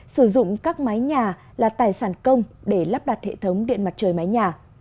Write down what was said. sử dụng các máy nhà là tài sản công để lắp đặt hệ thống điện mặt trời mái nhà